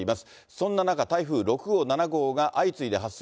そんな中、台風６号、７号が相次いで発生。